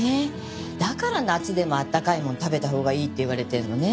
だから夏でも温かいものを食べたほうがいいって言われてるのね。